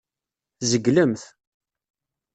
Tzeglemt.